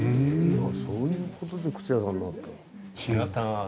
そういう事で靴屋さんになった。